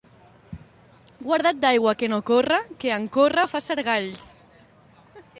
Guarda't d'aigua que no corre, que en córrer fa sargalls.